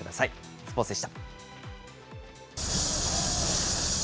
スポーツでした。